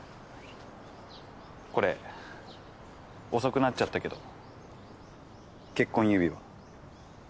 これ遅くなっちゃったけど結婚指輪。